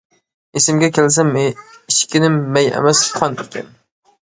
ئېسىمگە كەلسەم، ئىچكىنىم مەي ئەمەس قان ئىكەن.